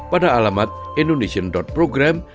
pada alamat indonesian program